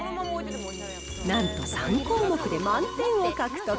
なんと３項目で満点を獲得。